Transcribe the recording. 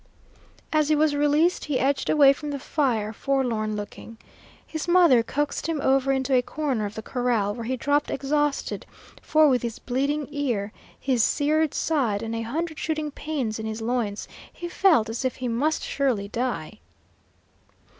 As he was released he edged away from the fire, forlorn looking. His mother coaxed him over into a corner of the corral, where he dropped exhausted, for with his bleeding ear, his seared side, and a hundred shooting pains in his loins, he felt as if he must surely die.